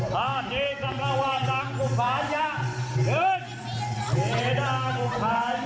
น้ำหนุมานไม่ข้อนตนมะม่วงแล้ว